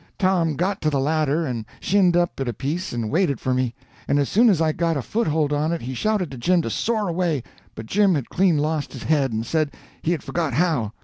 Tom got to the ladder and shinned up it a piece and waited for me; and as soon as I got a foothold on it he shouted to Jim to soar away. But Jim had clean lost his head, and said he had forgot how.